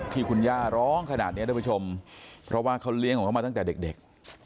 ที่คุณย่าร้องขนาดนี้ท่านผู้ชมเพราะว่าเขาเลี้ยงของเขามาตั้งแต่เด็ก